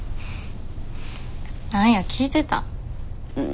何や聞いてたん？